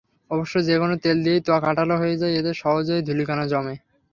অবশ্য যেকোনো তেল দিলেই ত্বক আঠালো হয়ে যায়, এতে সহজেই ধূলিকণা জমে।